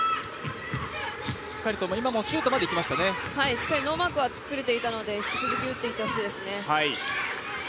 しっかりノーマークは作れていたので引き続き打っていってほしいですね。